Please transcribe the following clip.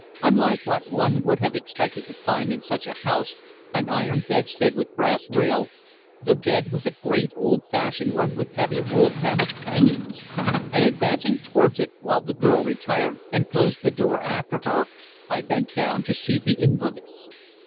Unlike what one would have expected to find in such a house, an iron bedstead with brass rail, the bed was a great old fashioned one with heavy wool damask hangings; and advancing towards it, while the girl retired and closed the door after her, I bent down to see the invalid.